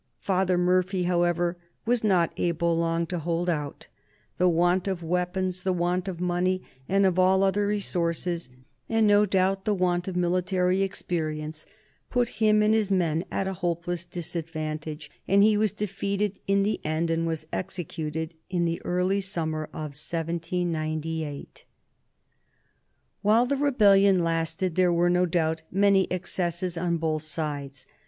Father Murphy, however, was not able long to hold out. The want of weapons, the want of money and of all other resources, and no doubt the want of military experience, put him and his men at a hopeless disadvantage, and he was defeated in the end, and was executed in the early summer of 1798. While the rebellion lasted there were, no doubt, many excesses on both sides.